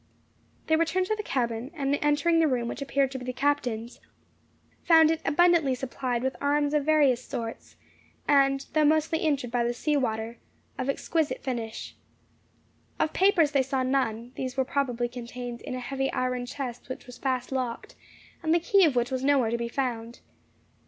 They returned to the cabin, and entering the room which appeared to be the captain's, found it abundantly supplied with arms of various sorts, and (though mostly injured by the sea water) of exquisite finish. Of papers they saw none; these were probably contained in a heavy iron chest which was fast locked, and the key of which was nowhere to be found.